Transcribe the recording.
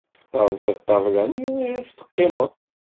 Terẓiḍ ṭṭabla-nni iɣef teqqimeḍ.